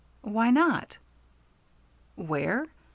"Why not?" "Where?